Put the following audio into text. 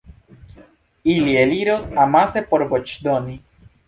Ili eliros amase por voĉdoni.